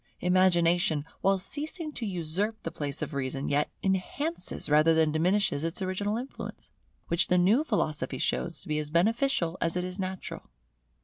Imagination, while ceasing to usurp the place of Reason, yet enhances rather than diminishes its original influence, which the new philosophy shows to be as beneficial as it is natural.